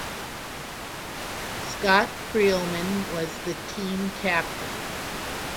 Scott Creelman was the team captain.